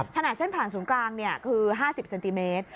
ขนาดเส้นผ่านศูนย์กลางคือ๕๐เซนติเมตร